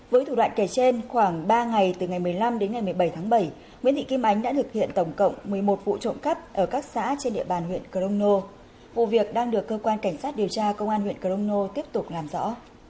với thủ đoạn kể trên khoảng ba ngày từ ngày một mươi năm đến ngày một mươi bảy tháng bảy nguyễn thị kim ánh đã thực hiện tổng cộng một mươi một vụ trộm cắp ở các xã trên địa bàn huyện crono vụ việc đang được cơ quan cảnh sát điều tra công an huyện crono tiếp tục làm rõ